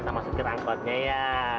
sama sekir angkotnya ya